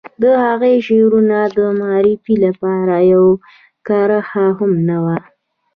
د هغه د شعرونو د معرفي لپاره يوه کرښه هم نه وه.